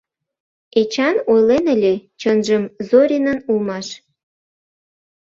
Эчан ойлен ыле, чынжым, Зоринын улмаш.